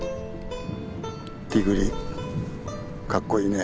ティグリかっこいいね。